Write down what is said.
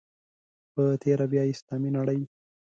په تېره بیا اسلامي نړۍ.